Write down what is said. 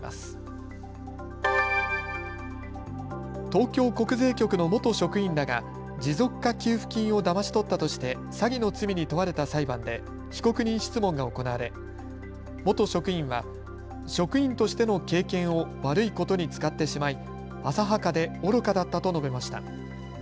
東京国税局の元職員らが持続化給付金をだまし取ったとして詐欺の罪に問われた裁判で被告人質問が行われ元職員は職員としての経験を悪いことに使ってしまい浅はかで愚かだったと述べました。